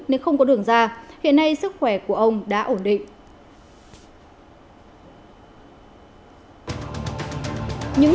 nếu không có đường ra hiện nay sức khỏe của ông đã ổn định